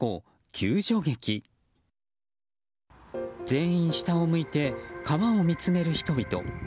全員下を向いて川を見つめる人々。